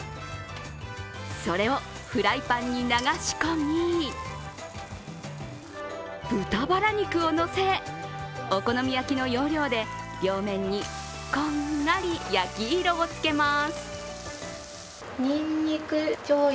それをフライパンに流し込み、豚バラ肉をのせ、お好み焼きの要領で両面にこんがり焼き色をつけます。